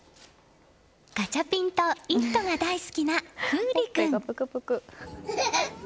ガチャピンと「イット！」が大好きなフウリ君。